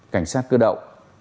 cảnh sát cơ động